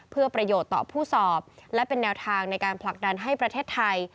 เพื่อประโยชน์ต่อผู้สอบและเป็นแนวทางในการผลักดันให้ประเทศไทย